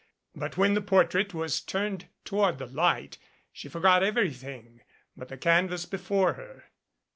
But when the portrait was turned toward the light, she forgot everything but the canvas before her.